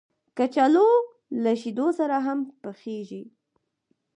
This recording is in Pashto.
کچالو له شیدو سره هم پخېږي